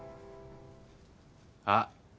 あっ！